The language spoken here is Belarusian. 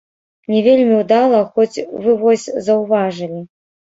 Не вельмі ўдала, хоць вы вось заўважылі.